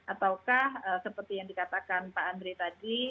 ataukah seperti yang dikatakan pak andre tadi